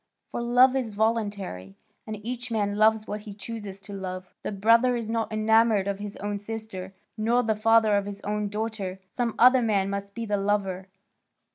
For love is voluntary, and each man loves what he chooses to love. The brother is not enamoured of his own sister, nor the father of his own daughter; some other man must be the lover.